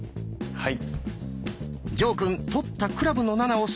はい。